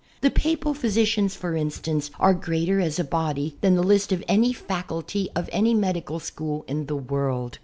The Papal physicians, for instance, are greater as a body than the list of any faculty of any medical school in the world.